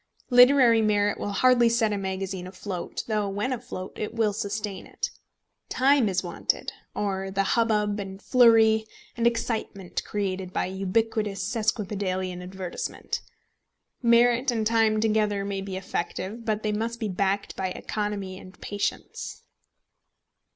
Literary merit will hardly set a magazine afloat, though when afloat it will sustain it. Time is wanted, or the hubbub, and flurry, and excitement created by ubiquitous sesquipedalian advertisement. Merit and time together may be effective, but they must be backed by economy and patience.